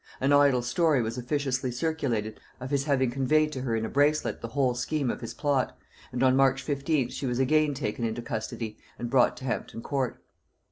An idle story was officiously circulated, of his having conveyed to her in a bracelet the whole scheme of his plot; and on March 15th she was again taken into custody and brought to Hampton court.